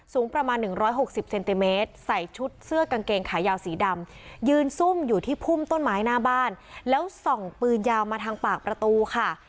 สูงประมาณ๑๖๐เซนติเมตรใส่ชุดเสื้อกางเกงขายาวสีดำยืนซุ่มอยู่ที่พุ่มต้นไม้หน้าบ้านแล้วส่องปืนยาวมาทางปากประตูค่ะ